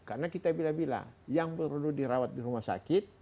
karena kita bila bila yang perlu dirawat di rumah sakit